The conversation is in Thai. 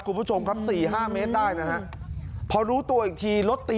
คุณผู้ชมครับสี่ห้าเมตรได้นะฮะพอรู้ตัวอีกทีรถตี